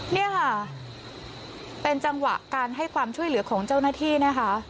นี่ค่ะเป็นจังหวะการให้ความช่วยเหลือของเจ้าหน้าที่นะคะ